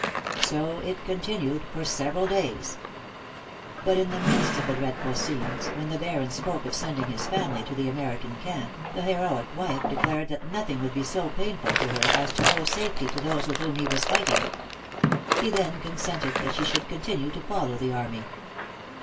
So it continued for several days. But in the midst of the dreadful scenes, when the Baron spoke of sending his family to the American camp, the heroic wife declared that nothing would be so painful to her as to owe safety to those with whom he was fighting. He then consented that she should continue to follow the army.